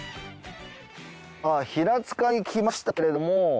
さぁ平塚に来ましたけれども。